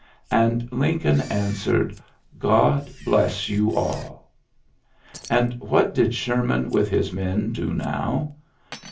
And Lincoln answered, "Gtod bless you all! " And what did Sherman with his men do now!